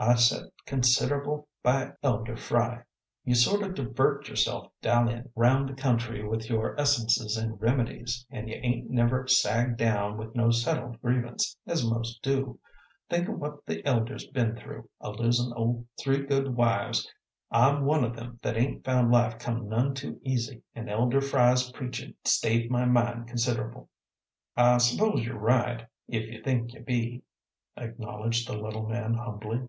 "I set consider'ble by Elder Fry. You sort o' divert yourself dallying round the country with your essences and remedies, an' you ain't never sagged down with no settled grievance, as most do. Think o' what the Elder's be'n through, a losin' o' three good wives. I'm one o' them that ain't found life come none too easy, an' Elder Fry's preachin' stayed my mind consider'ble." "I s'pose you're right, if you think you be," acknowledged the little man humbly.